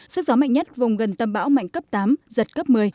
sức gió mạnh nhất vùng gần tâm bão mạnh cấp tám giật cấp một mươi